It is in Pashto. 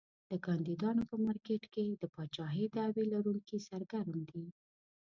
د کاندیدانو په مارکېټ کې د پاچاهۍ دعوی لرونکي سرګرم دي.